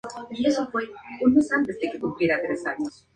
Estudió en Alsasua, en el seminario de Capuchinos.